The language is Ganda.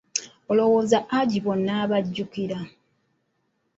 Olowooza Haji bonna obajjukira?